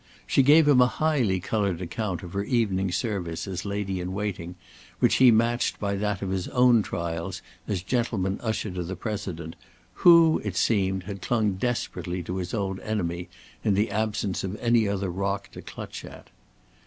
She gave him a highly coloured account of her evening's service as lady in waiting, which he matched by that of his own trials as gentleman usher to the President, who, it seemed, had clung desperately to his old enemy in the absence of any other rock to clutch at.